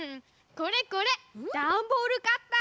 これこれダンボールカッター！